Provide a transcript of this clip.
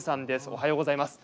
おはようございます。